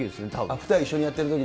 ２人で一緒にやってるとき。